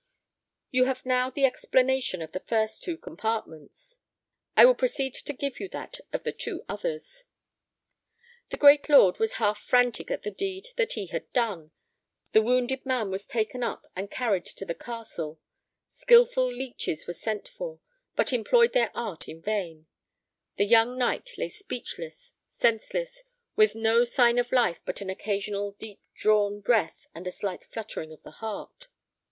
You have now the explanation of the first two compartments; I will proceed to give you that of the two others. The great lord was half frantic at the deed that he had done; the wounded man was taken up and carried to the castle; skilful leeches were sent for, but employed their art in vain; the young knight lay speechless, senseless, with no sign of life but an occasional deep drawn breath and a slight fluttering of the heart.